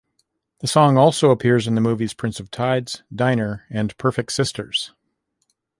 The song also appeared in the movies "Prince of Tides", "Diner", and "Perfect Sisters".